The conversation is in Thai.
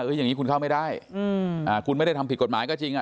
อย่างนี้คุณเข้าไม่ได้คุณไม่ได้ทำผิดกฎหมายก็จริงอ่ะ